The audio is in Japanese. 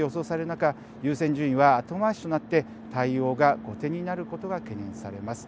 中優先順位は後回しとなって対応が後手になることが懸念されます。